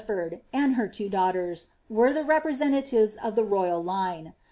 9C9 Qifibrd^ and her two daughters, were the representatives of the royal line.